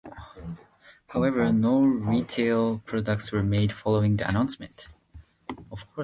However, no retail products were made following the announcement.